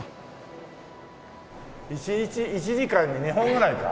一日１時間に２本ぐらいか。